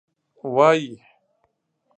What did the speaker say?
وایي.